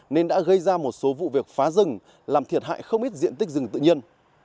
nên đã gây ra một số vụ việc phá rừng làm thiệt hại không ít diện tích rừng tự nhiên